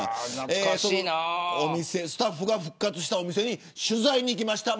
スタッフが復活したお店に取材に行きました。